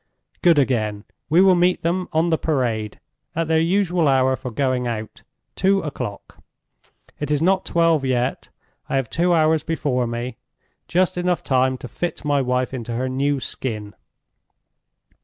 "Good again. We will meet them on the Parade, at their usual hour for going out—two o'clock. It is not twelve yet. I have two hours before me—just time enough to fit my wife into her new Skin.